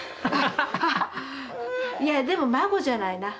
いやでも孫じゃないな。